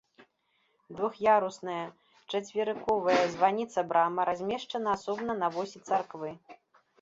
Двух'ярусная чацверыковая званіца-брама размешчана асобна на восі царквы.